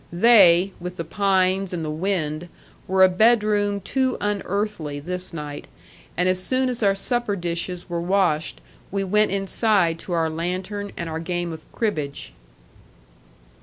They, with the pines and the wind, were a bedroom too unearthly this night. And as soon as our supper dishes were washed we went inside to our lantern and our game of cribbage.